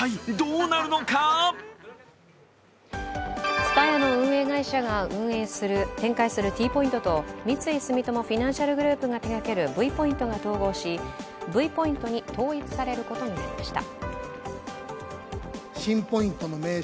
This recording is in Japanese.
ＴＳＵＴＡＹＡの運営会社が展開するＴポイントと三井住友フィナンシャルグループが手がけるＶポイントが統合しＶポイントに統一されることになりました。